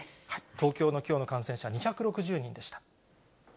東京のきょうの感染者２６０人でした。